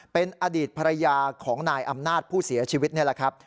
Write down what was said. เป็นอดีตภรรยาของนายอำนาจผู้เสียชีวิตนี่แหละครับ